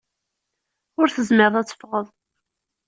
Ur tezmireḍ ad teffɣeḍ.